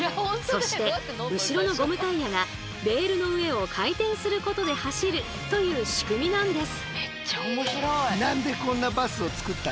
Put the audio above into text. そして後ろのゴムタイヤがレールの上を回転することで走るという仕組みなんです。